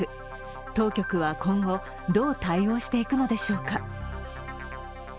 当局は今後、どう対応していくのでしょうか。